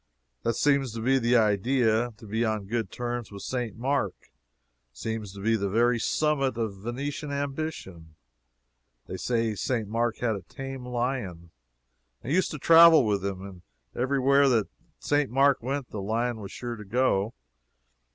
That seems to be the idea. To be on good terms with St. Mark, seems to be the very summit of Venetian ambition. They say St. Mark had a tame lion, and used to travel with him and every where that St. Mark went, the lion was sure to go.